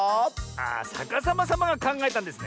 ああさかさまさまがかんがえたんですね。